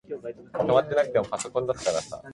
男が林の入り口に消えていったあと、車が走り去る音が聞こえた